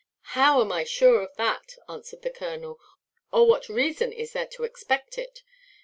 "How am I sure of that," answered the colonel; "or what reason is there to expect it?